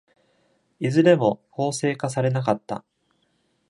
いずれも法制化されなかった。